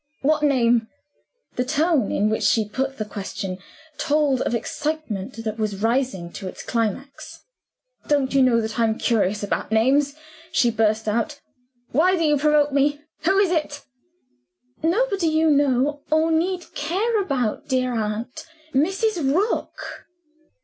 "What name?" The tone in which she put the question told of excitement that was rising to its climax. "Don't you know that I'm curious about names?" she burst out. "Why do you provoke me? Who is it?" "Nobody you know, or need care about, dear aunt. Mrs. Rook."